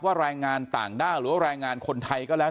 แรงงานต่างด้าวหรือว่าแรงงานคนไทยก็แล้ว